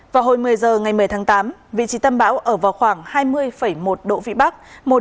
vào hồi một mươi giờ ngày một mươi tháng tám vị trí tâm bão ở vào khoảng hai mươi một độ vị bắc